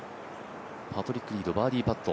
パトリック・リードバーディーパット。